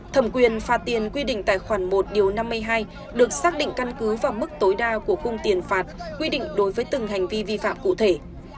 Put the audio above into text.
thẩm quyền phạt tiền quy định tài khoản một năm mươi hai được xác định căn cứ vào mức tối đa của cung tiền phạt quy định đối với từng hành vi vi phạm cụ thể